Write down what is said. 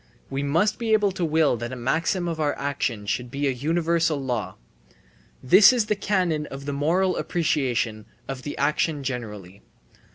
We must be able to will that a maxim of our action should be a universal law. This is the canon of the moral appreciation of the action generally.